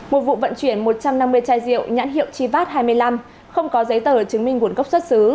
một vụ vận chuyển một trăm năm mươi chai rượu nhãn hiệu chivat hai mươi năm không có giấy tờ chứng minh nguồn gốc xuất xứ